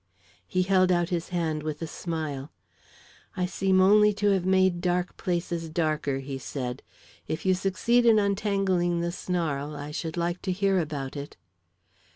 He held out his hand with a smile. "I seem only to have made dark places darker," he said. "If you succeed in untangling the snarl, I should like to hear about it."